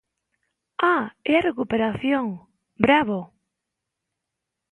¡Ah!, e a recuperación, ¡bravo!